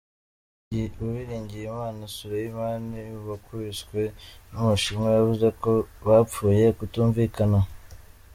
Uwiringiyima Sureyimani wakubiswe n’umushinwa yavuze ko bapfuye kutumvikana.